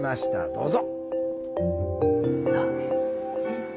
どうぞ。